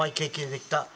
「できた」